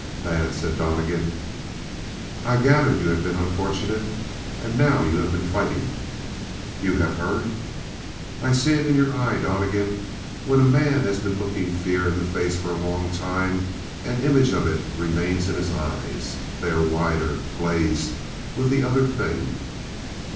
"Bad," said Donnegan. "I gathered you had been unfortunate. And now you have been fighting?" "You have heard?" "I see it in your eye, Donnegan. When a man has been looking fear in the face for a time, an image of it remains in his eyes. They are wider, glazed with the other thing."